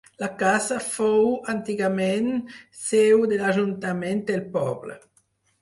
La casa fou, antigament, seu de l'ajuntament del poble.